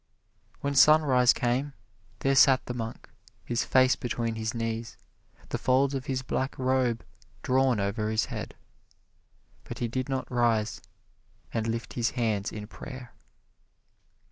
When sunrise came, there sat the monk, his face between his knees, the folds of his black robe drawn over his head. But he did not rise and lift his hands in prayer.